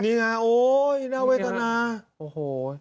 นี่ไงโอ๊ยน่าเวทนาโอ้โห